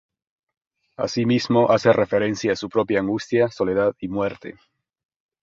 Asimismo hace referencia a su propia angustia, soledad y muerte.